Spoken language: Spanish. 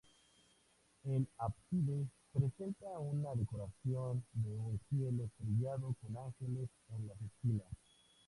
El ábside presenta una decoración de un cielo estrellado con ángeles en las esquinas.